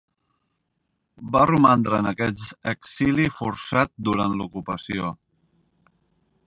Va romandre en aquest exili forçat durant l'ocupació.